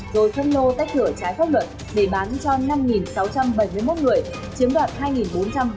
rồi thân lô tách thửa trái pháp luật để bán cho năm sáu trăm bảy mươi một người chiếm đoạt hai bốn trăm ba mươi năm tỷ đồng